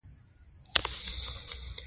مولنا هلته په هره پلمه وساتي.